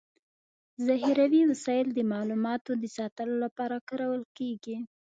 ذخيروي وسایل د معلوماتو د ساتلو لپاره کارول کيږي.